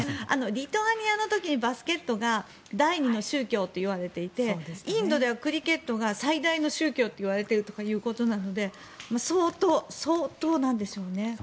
リトアニアの時にバスケットが第２の宗教といわれていてインドではクリケットが最大の宗教といわれているということなので相当なんですよね。